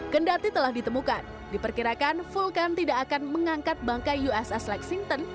kendati telah ditemukan diperkirakan vulkan tidak akan mengangkat bangkai uss lexington